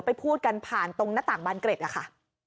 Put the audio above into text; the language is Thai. พูดกันผ่านตรงหน้าต่างบานเกร็ดอะค่ะ